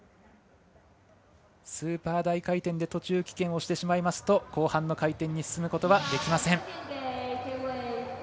スーパー大回転で途中棄権をしてしまいますと後半の回転に進むことはできません。